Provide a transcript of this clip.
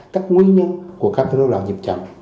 các nguyên nhân của các loại nhiệp chậm